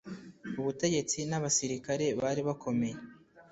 ubutegetsi n' abasilikare bari bakomeye